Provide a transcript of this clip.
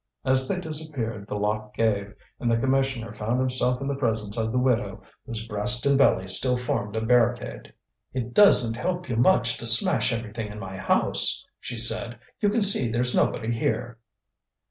As they disappeared the lock gave, and the commissioner found himself in the presence of the widow, whose breast and belly still formed a barricade. "It doesn't help you much to smash everything in my house," she said. "You can see there's nobody here."